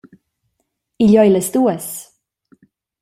Igl ei las duas.